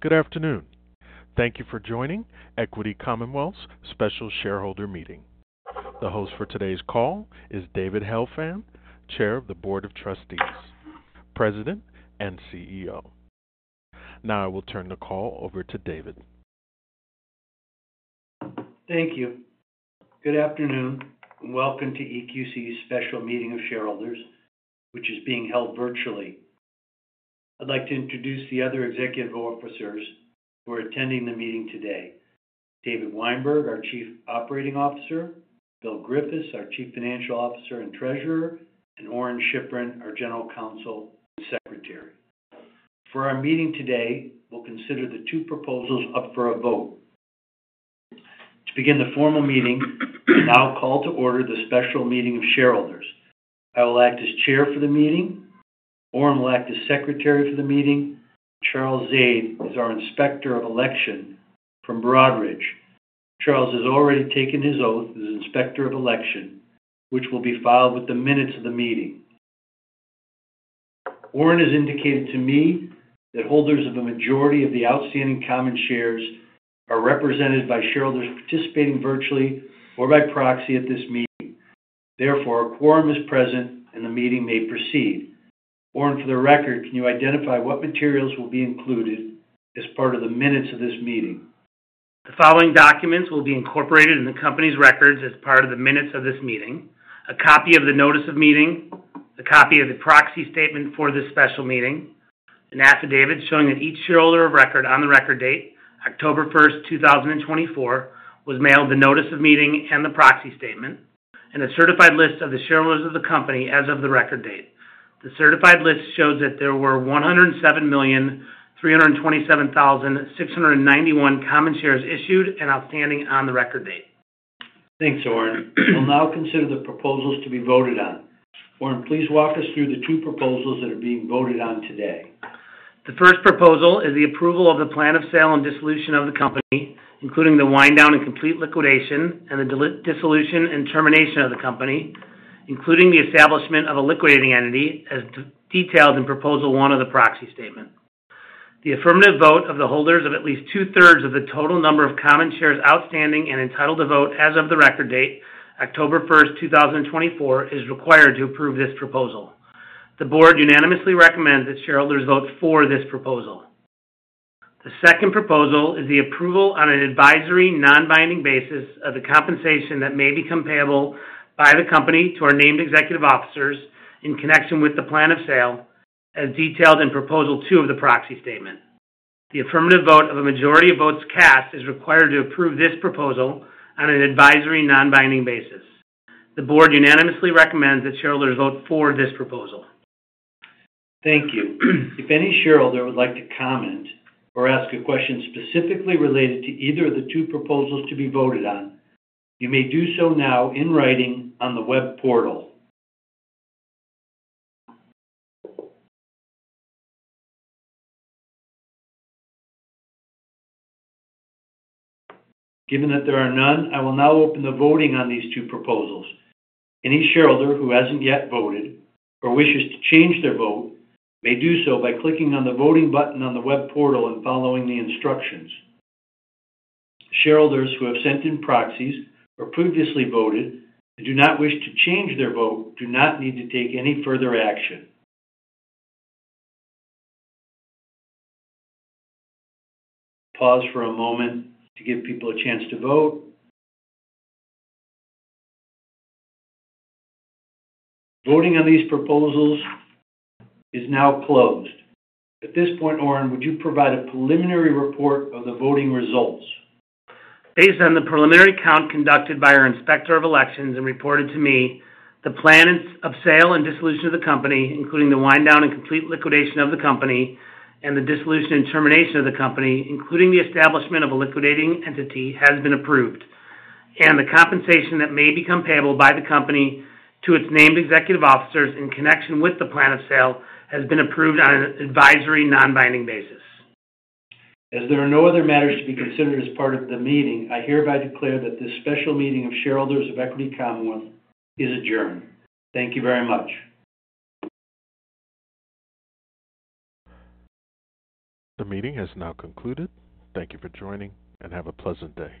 Good afternoon. Thank you for joining Equity Commonwealth's Special Shareholder Meeting. The host for today's call is David Helfand, Chair of the Board of Trustees, President and CEO. Now I will turn the call over to David. Thank you. Good afternoon and welcome to EQC's Special Meeting of Shareholders, which is being held virtually. I'd like to introduce the other executive officers who are attending the meeting today: David Weinberg, our Chief Operating Officer, Bill Griffith, our Chief Financial Officer and Treasurer, and Orrin Shifrin, our General Counsel and Secretary. For our meeting today, we'll consider the two proposals up for a vote. To begin the formal meeting, I now call to order the Special Meeting of Shareholders. I will act as Chair for the meeting. Orrin will act as Secretary for the meeting. Charles Zade is our Inspector of Election from Broadridge. Charles has already taken his oath as Inspector of Election, which will be filed with the minutes of the meeting. Orrin has indicated to me that holders of the majority of the outstanding common shares are represented by shareholders participating virtually or by proxy at this meeting. Therefore, a quorum is present and the meeting may proceed. Orrin, for the record, can you identify what materials will be included as part of the minutes of this meeting? The following documents will be incorporated in the company's records as part of the minutes of this meeting: a copy of the notice of meeting, a copy of the proxy statement for this special meeting, an affidavit showing that each shareholder of record on the record date, October 1, 2024, was mailed the notice of meeting and the proxy statement, and a certified list of the shareholders of the company as of the record date. The certified list shows that there were 107,327,691 common shares issued and outstanding on the record date. Thanks, Orrin. We'll now consider the proposals to be voted on. Orrin, please walk us through the two proposals that are being voted on today. The first proposal is the approval of the plan of sale and dissolution of the company, including the wind down and complete liquidation and the dissolution and termination of the company, including the establishment of a liquidating entity as detailed in proposal one of the proxy statement. The affirmative vote of the holders of at least two-thirds of the total number of common shares outstanding and entitled to vote as of the record date, October 1, 2024, is required to approve this proposal. The board unanimously recommends that shareholders vote for this proposal. The second proposal is the approval on an advisory non-binding basis of the compensation that may become payable by the company to our named executive officers in connection with the plan of sale, as detailed in proposal two of the proxy statement. The affirmative vote of a majority of votes cast is required to approve this proposal on an advisory non-binding basis. The board unanimously recommends that shareholders vote for this proposal. Thank you. If any shareholder would like to comment or ask a question specifically related to either of the two proposals to be voted on, you may do so now in writing on the web portal. Given that there are none, I will now open the voting on these two proposals. Any shareholder who hasn't yet voted or wishes to change their vote may do so by clicking on the voting button on the web portal and following the instructions. Shareholders who have sent in proxies or previously voted and do not wish to change their vote do not need to take any further action. Pause for a moment to give people a chance to vote. Voting on these proposals is now closed. At this point, Orrin, would you provide a preliminary report of the voting results? Based on the preliminary count conducted by our Inspector of Election and reported to me, the plan of sale and dissolution of the company, including the wind down and complete liquidation of the company and the dissolution and termination of the company, including the establishment of a liquidating entity, has been approved, and the compensation that may become payable by the company to its named executive officers in connection with the plan of sale has been approved on an advisory non-binding basis. As there are no other matters to be considered as part of the meeting, I hereby declare that this special meeting of shareholders of Equity Commonwealth is adjourned. Thank you very much. The meeting has now concluded. Thank you for joining and have a pleasant day.